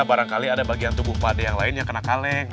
barangkali ada bagian tubuh pak de yang lainnya kena kaleng